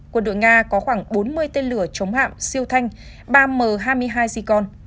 quân đội nga có khoảng bốn mươi tên lửa chống hạm siêu thanh ba m hai mươi hai sikon